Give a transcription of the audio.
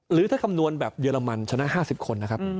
หรือถ้าคำนวณแบบเยอรมันชนะ๕๐คนนะครับ